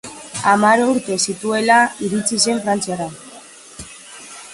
Hamar urte zituela iritsi zen Frantziara.